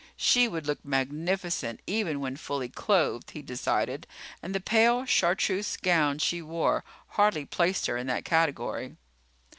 She would look magnificent even when fully clothed, he decided, and the pale chartreuse gown she wore hardly placed her in that category.